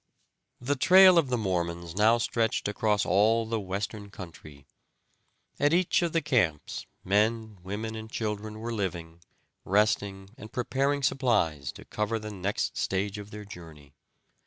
The trail of the Mormons now stretched across all the western country. At each of the camps men, women, and children were living, resting and preparing supplies to cover the next stage of their journey.